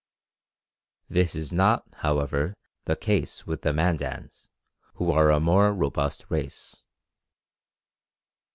This is not, however, the case with the Mandans, who are a more robust race.